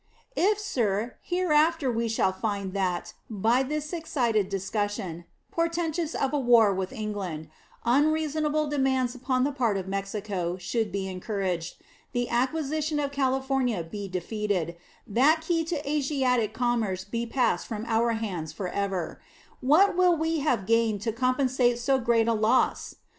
If, sir, hereafter we shall find that, by this excited discussion, portentous of a war with England, unreasonable demands upon the part of Mexico should be encouraged, the acquisition of California be defeated, that key to Asiatic commerce be passed from our hands for ever what will we have gained to compensate so great a loss?